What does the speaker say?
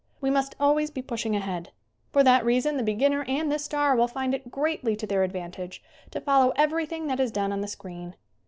We must always be pushing ahead. For that reason the beginner and the star will find it greatly to their advantage to follow everything that is done on the screen.